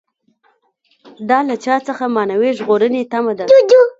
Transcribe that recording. دا له چا څخه معنوي ژغورنې تمه ده.